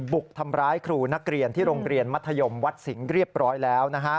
บุกทำร้ายครูนักเรียนที่โรงเรียนมัธยมวัดสิงห์เรียบร้อยแล้ว